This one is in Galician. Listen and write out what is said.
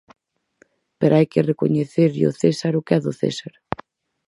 Pero hai que recoñecerlle ao césar o que é do césar.